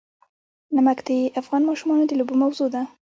نمک د افغان ماشومانو د لوبو موضوع ده.